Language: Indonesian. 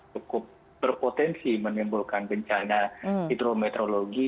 cukup berpotensi menimbulkan bencana hidrometeorologi